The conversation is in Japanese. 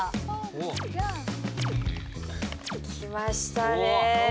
きましたねえ。